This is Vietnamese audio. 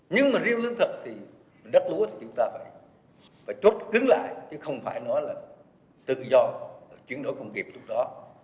nhưng mà riêng lương thực thì đất lúa thì chúng ta phải chốt cứng lại chứ không phải nói là tự do chuyển đổi công nghiệp lúc đó